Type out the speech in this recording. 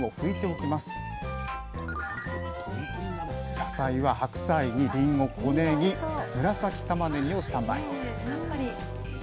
野菜は白菜にりんご小ねぎ紫たまねぎをスタンバイ。